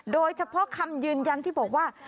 โดยเฉพาะคำยืนยันที่บอกว่า